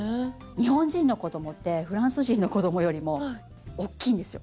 日本人の子どもってフランス人の子どもよりもおっきいんですよ。